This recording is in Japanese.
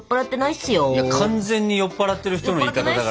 いや完全に酔っ払ってる人の言い方だからそれ！